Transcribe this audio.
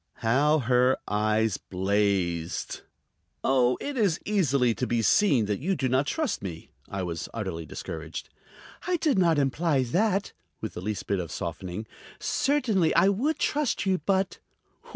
How her eyes blazed! "Oh, it is easily to be seen that you do not trust me." I was utterly discouraged. "I did not imply that," with the least bit of softening. "Certainly I would trust you. But